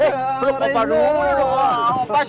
ada geng gengnya kerry